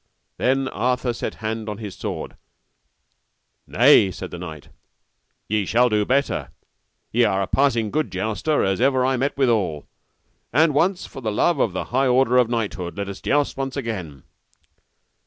Then Arthur set hand on his sword. Nay, said the knight, ye shall do better, ye are a passing good jouster as ever I met withal, and once for the love of the high order of knighthood let us joust once again.